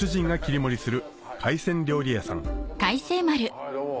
はいどうも。